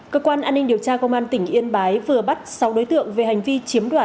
cơ quan an ninh điều tra công an tỉnh yên bái vừa bắt sáu đối tượng về hành vi truyền thông tin